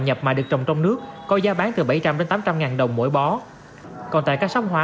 nhập mà được trồng trong nước có giá bán từ bảy trăm linh tám trăm linh đồng mỗi bó còn tại các sóng hoa